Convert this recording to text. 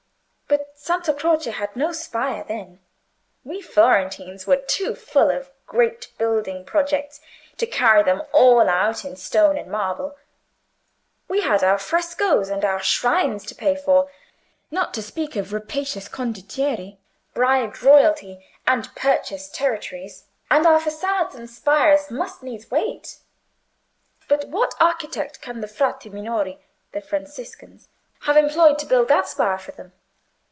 But Santa Croce had no spire then: we Florentines were too full of great building projects to carry them all out in stone and marble; we had our frescoes and our shrines to pay for, not to speak of rapacious condottieri, bribed royalty, and purchased territories, and our façades and spires must needs wait. But what architect can the Frati Minori (the Franciscans) have employed to build that spire for them?